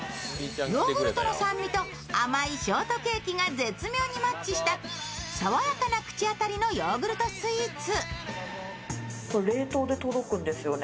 ヨーグルトの酸味と甘いショートケーキが絶妙にマッチした爽やかな口当たりのヨーグルトスイーツ。